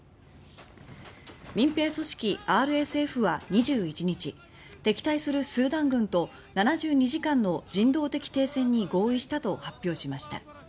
民兵組織ＲＳＦは２１日敵対するスーダン軍と７２時間の人道的停戦に合意したと発表しました。